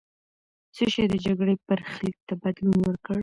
څه شی د جګړې برخلیک ته بدلون ورکړ؟